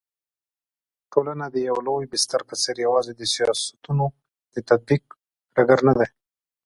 ټولنه د يوه لوی بستر په څېر يوازي د سياستونو د تطبيق ډګر ندی